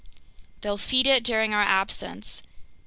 "They'll feed it during our absence.